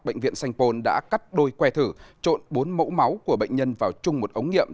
bệnh viện sanh pôn đã cắt đôi que thử trộn bốn mẫu máu của bệnh nhân vào chung một ống nghiệm